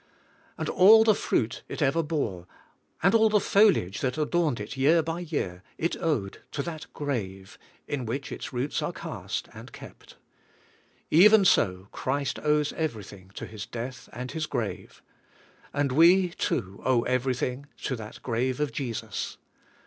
And all the fruit it ever bore, and all the foliage that adorned it yeai by year, it owed to that grave in which its roots are cast and kept. Even so Christ owes everything to His death and His grave. And we, too, owe everything to that grave of Jesus.